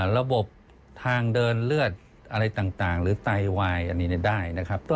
ระบบทางเดินเลือดอะไรต่างหรือไตวายอันนี้ได้นะครับ